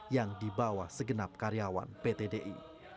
yang dibawa segenap karyawan pt di